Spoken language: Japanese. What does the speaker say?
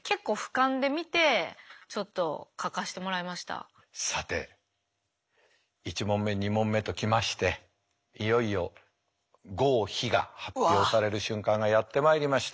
私このさて１問目２問目ときましていよいよ合否が発表される瞬間がやってまいりました。